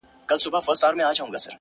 ستا سترگو كي بيا مرۍ! مرۍ اوښـكي!